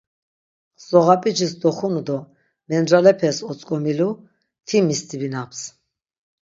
Mzoğap̆icis doxunu do mendralepes otzk̆omilu ti mistibinaps.